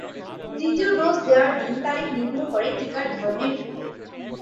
তৃতীয় ডোজ দেয়ার দিন-তারিখ নির্ভর করে টিকার ধরনের উপর।